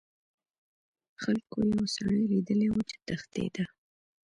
خلکو یو سړی لیدلی و چې تښتیده.